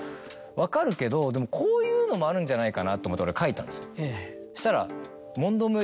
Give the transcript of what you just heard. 分かるけどでもこういうのもあるんじゃないかなと思って俺書いたんですそしたら。